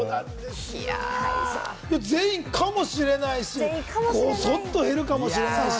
全員かもしれないし、ごそっと減るかもしれないし。